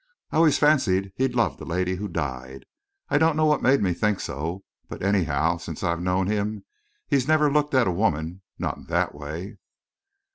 I always fancied he'd loved a lady who died I don't know what made me think so; but anyhow, since I've known him, he never looked at a woman not in that way."